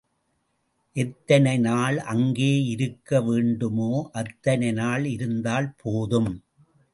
எத்தனை நாள் அங்கே இருக்கவேண்டுமோ அத்தனை நாள் இருந்தால் போதும்.